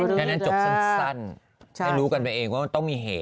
พี่ไก่บอกแบบนี้